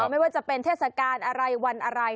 ไม่ว่าจะเป็นเทศกาลอะไรวันอะไร